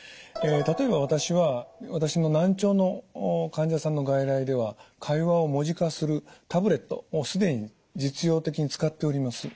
例えば私は私の難聴の患者さんの外来では会話を文字化するタブレットもう既に実用的に使っております。